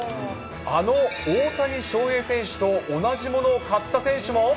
あの大谷翔平選手と同じものを買った選手も？